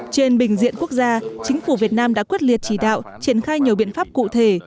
trên bình diện quốc gia chính phủ việt nam đã quyết liệt chỉ đạo triển khai nhiều biện pháp cụ thể